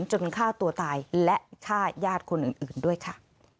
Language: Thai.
ฆ่าตัวตายและฆ่าญาติคนอื่นด้วยค่ะ